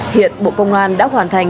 hiện bộ công an đã hoàn thành